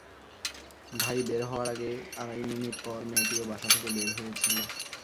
ভাই বের হওয়ার দুই আড়াই মিনিট পর মেয়েটিও বাসা থেকে বের হয়েছিল।